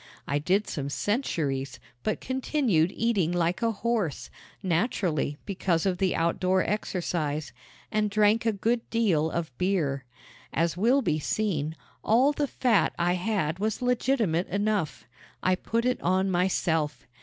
I did some centuries, but continued eating like a horse naturally because of the outdoor exercise and drank a good deal of beer. As will be seen, all the fat I had was legitimate enough. I put it on myself.